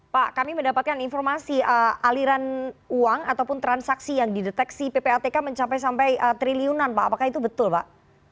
pak kami mendapatkan informasi aliran uang ataupun transaksi yang dideteksi ppatk mencapai sampai triliunan pak apakah itu betul pak